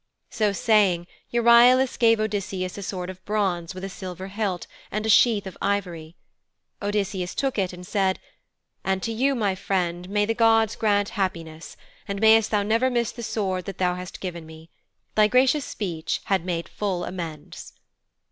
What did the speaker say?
So saying, Euryalus gave Odysseus a sword of bronze with a silver hilt and a sheath of ivory. Odysseus took it and said, 'And to you, my friend, may the gods grant all happiness, and mayst thou never miss the sword that thou hast given me. Thy gracious speech hath made full amends.'